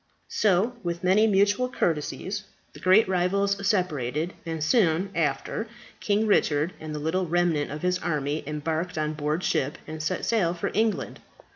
So, with many mutual courtesies, the great rivals separated, and, soon after, King Richard and the little remnant of his army embarked on board ship, and set sail for England.